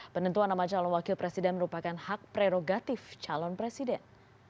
penentuan nama calon wakil presiden merupakan hak prerogatif calon presiden